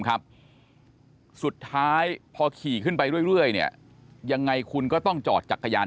ครับสุดท้ายพอขี่ขึ้นไปเรื่อยเนี่ยยังไงคุณก็ต้องจอดจักรยาน